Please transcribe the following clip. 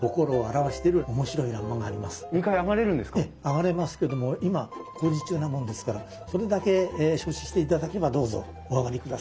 上がれますけども今工事中なもんですからそれだけ承知していただければどうぞお上がりください。